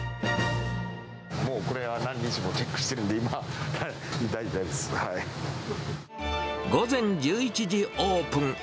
もうこれは、何日もチェック午前１１時オープン。